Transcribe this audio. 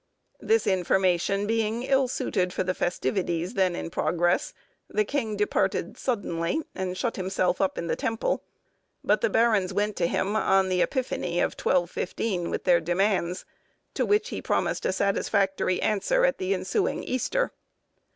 This information being ill suited for the festivities then in progress, the king departed suddenly and shut himself up in the Temple; but the barons went to him on the Epiphany of 1215 with their demands, to which he promised a satisfactory answer at the ensuing Easter.